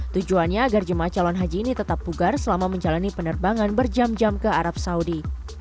tujuannya agar jemaah calon haji ini tetap pugar selama menjalani penerbangan berjam jam ke arab saudi